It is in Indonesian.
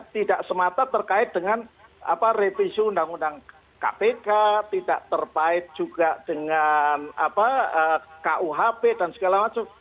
tidak semata terkait dengan revisi undang undang kpk tidak terkait juga dengan kuhp dan segala macam